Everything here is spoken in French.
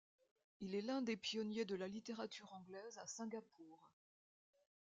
Il est l'un des pionniers de la littérature anglaise à Singapour.